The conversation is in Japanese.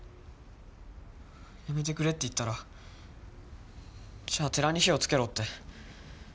やめてくれって言ったらじゃあ寺に火をつけろって。